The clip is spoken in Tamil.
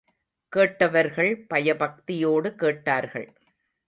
கேட்டவர்கள், பயபக்தியோடு கேட்டார்கள்.